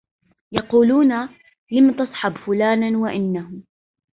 يقولون لم تصحب فلانا وانه